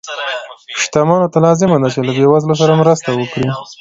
شتمنو ته لازمه ده چې له بې وزلو سره مرستې وکړي.